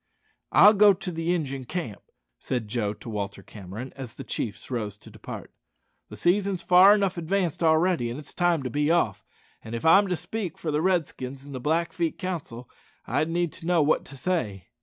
"I'll go to the Injun camp," said Joe to Walter Cameron, as the chiefs rose to depart. "The season's far enough advanced already; it's time to be off; and if I'm to speak for the Redskins in the Blackfeet Council, I'd need to know what to say."